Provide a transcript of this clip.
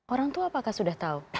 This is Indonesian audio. orang tua apakah sudah tahu